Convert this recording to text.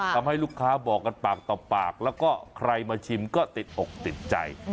ทำให้ลูกค้าบอกกันปากต่อปากแล้วก็ใครมาชิมก็ติดอกติดใจ